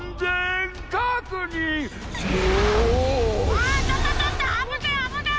あちょっとちょっとあぶないあぶない！